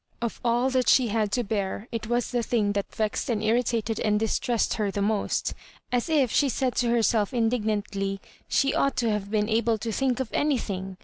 Of all that she had to bear, it was tiie thing that vexed and irritated and distressed her the most — as i^ she said to herself indig nantly, she ought to have been able to think of anything!